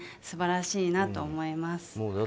素晴らしいなと思います。